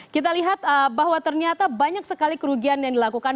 kita lihat bahwa ternyata banyak sekali kerugian yang dilakukan